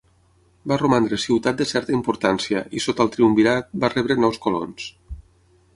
Va romandre ciutat de certa importància i sota el triumvirat va rebre nous colons.